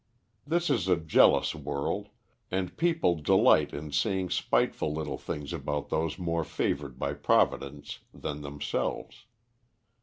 This is a jealous world, and people delight in saying spiteful little things about those more favoured by Providence than themselves.